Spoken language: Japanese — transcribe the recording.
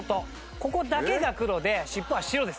ここだけが黒で尻尾は白です。